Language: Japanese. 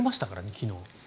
昨日。